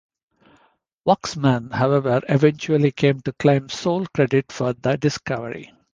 Waksman, however, eventually came to claim sole credit for the discovery.